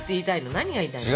何が言いたいの？